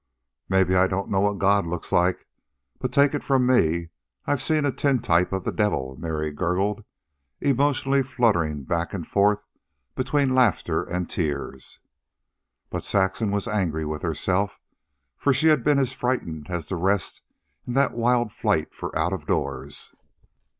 "Maybe I don't know what God looks like, but take it from me I've seen a tintype of the devil," Mary gurgled, emotionally fluttering back and forth between laughter and tears. But Saxon was angry with herself, for she had been as frightened as the rest in that wild flight for out of doors.